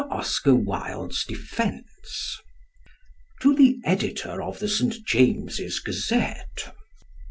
OSCAR WILDE'S DEFENCE. To the Editor of the St. James's Gazette.